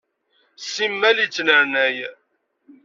Simmal yettnernay.